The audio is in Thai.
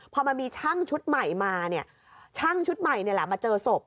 พอมันมีช่างชุดใหม่มาเนี่ยช่างชุดใหม่มาเจอศพ